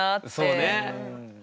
そうね。